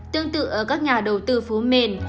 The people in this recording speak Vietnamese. tương tự ở các nhà đầu tư phố mền